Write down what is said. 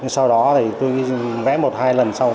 sau đó chúng tôi cho các em vẽ trên giấy và trên toàn vẽ